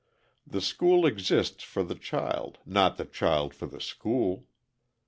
The school exists for the child, not the child for the school.